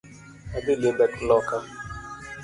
Adhii limbe loka